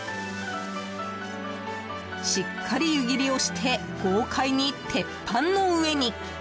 しっかり湯切りをして豪快に鉄板の上に。